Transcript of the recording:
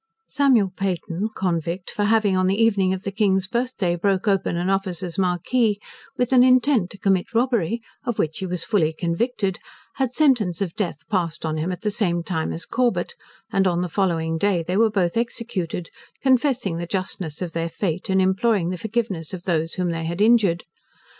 Samuel Peyton, convict, for having on the evening of the King's birth day broke open an officer's marquee, with an intent to commit robbery, of which he was fully convicted, had sentence of death passed on him at the same time as Corbet; and on the following day they were both executed, confessing the justness of their fate, and imploring the forgiveness of those whom they had injured.